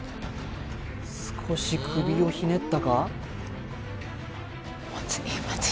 少し首をひねったか？